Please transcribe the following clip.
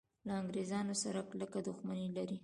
له انګریزانو سره کلکه دښمني لري.